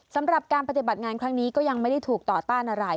สำหรับการปฏิบัติงานครั้งนี้ก็ยังไม่ได้ถูกต่อต้านอะไร